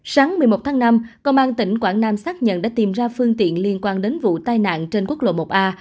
sáng một mươi một tháng năm công an tỉnh quảng nam xác nhận đã tìm ra phương tiện liên quan đến vụ tai nạn trên quốc lộ một a